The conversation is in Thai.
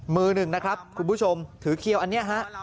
มือหนึ่งนะครับคุณผู้ชมถือเคี้ยวอันนี้ฮะ